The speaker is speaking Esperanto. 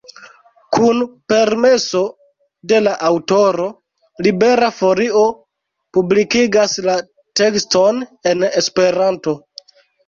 Kun permeso de la aŭtoro Libera Folio publikigas la tekston en Esperanto.